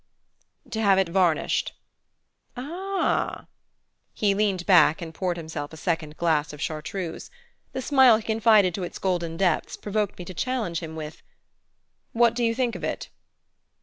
"To have it varnished." "Ah!" He leaned back and poured himself a second glass of Chartreuse. The smile he confided to its golden depths provoked me to challenge him with "What do you think of it?"